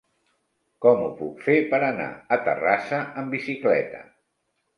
Com ho puc fer per anar a Terrassa amb bicicleta?